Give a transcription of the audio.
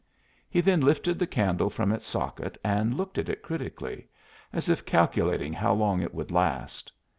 He then lifted the candle from its socket and looked at it critically, as if calculating how long it would last.